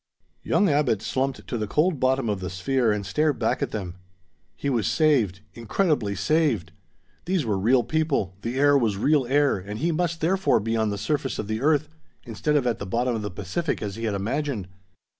Young Abbot slumped to the cold bottom of the sphere and stared back at them. He was saved; incredibly saved! These were real people, the air was real air and he must therefore be on the surface of the earth, instead of at the bottom of the Pacific as he had imagined!